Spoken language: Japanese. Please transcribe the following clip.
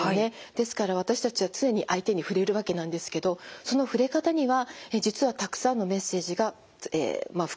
ですから私たちは常に相手に触れるわけなんですけどその触れ方には実はたくさんのメッセージが含まれているわけなんです。